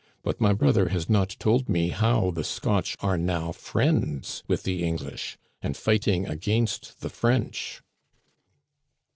But my brother has not told me how the Scotch are now friends with the English and fighting against the French."